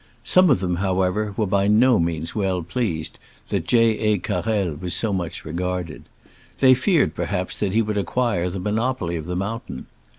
Some of them, however, were by no means well pleased that J. A. Carrel was so much regarded. They feared, perhaps, that he would ac quire the monopoly of the mountain.